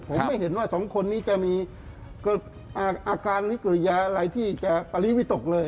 ผมไม่เห็นว่าสองคนนี้จะมีอากาศไลข์ที่จะปลีวิตรก